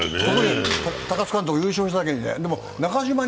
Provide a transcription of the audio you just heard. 高津監督、優勝しただけにね。